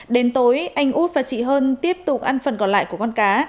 đến tối anh út và chị hơn tiếp tục ăn phần còn lại của con cá